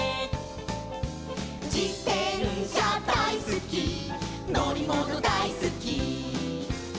「じてんしゃだいすきのりものだいすき」